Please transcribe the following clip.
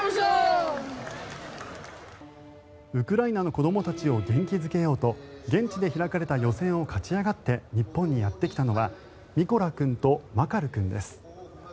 ウクライナの子どもたちを元気付けようと現地で開かれた予選を勝ち上がって日本にやってきたのはミコラ君とマカル君です。